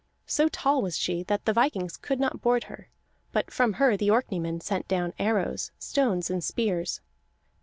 So tall was she that the vikings could not board her; but from her the Orkneymen sent down arrows, stones, and spears.